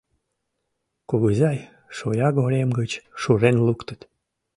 Кугызай шоягорем гыч шурен луктыт